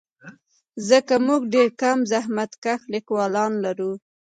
ځکه موږ ډېر کم زحمتکښ لیکوالان لرو.